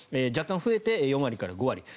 若干増えて、４割から５割。